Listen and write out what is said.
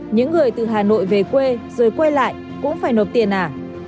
những người từ hà nội về quê rồi quay lại cũng phải nộp tiền ảo